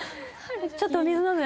ちょっとお水飲む？